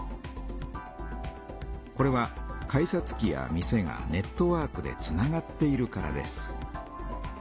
これは改札機や店がネットワークでつながっているからです。